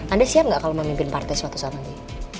anda siap nggak kalau memimpin partai suatu saat lagi